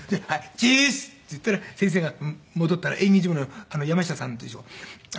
「チース」って言ったら先生が戻ったら演技事務の山下さんという人が。